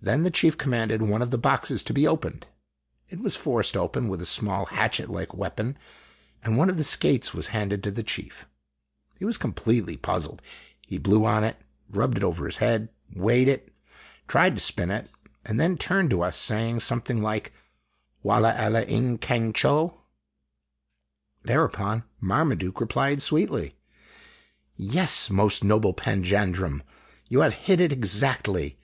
Then the chief commanded one of the boxes to be opened. It was forced open with a small hatchet like weapon, and one of the skates was handed to the chief. He was completely puzzled. He blew on it, rubbed it over his head, weighed it, tried to spin it, and then turned to us, saying something like :" Walla ella insr kanpf cho ?" o <_> Thereupon Marmaduke replied sweetly :" Yes, most noble panjandrum. You have hit it exactly.